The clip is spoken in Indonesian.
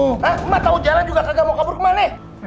hah emak tau jalan juga kagak mau kabur kemana